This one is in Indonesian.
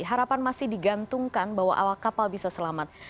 harapan masih digantungkan bahwa awak kapal bisa selamat